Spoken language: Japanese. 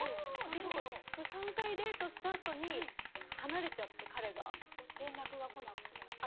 ３回デートしたあとに離れちゃって彼が。連絡が来なくなって？